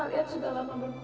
dia tak ada selesai wkik mob